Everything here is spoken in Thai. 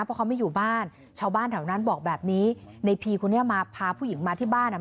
เพราะเขาไม่อยู่บ้านชาวบ้านแถวนั้นบอกแบบนี้ในพีคนนี้มาพาผู้หญิงมาที่บ้านอ่ะ